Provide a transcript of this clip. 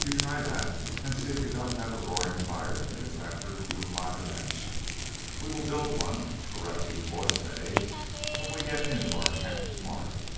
You try that and see if you don't have a roaring fire in a minute after you apply the match. We will build one, or rather you boys may, when we get into our camp tomorrow."